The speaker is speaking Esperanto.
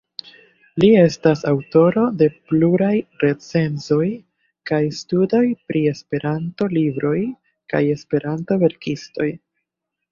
Li estas aŭtoro de pluraj recenzoj kaj studoj pri Esperanto-libroj kaj Esperanto-verkistoj.